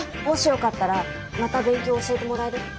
もしよかったらまた勉強教えてもらえる？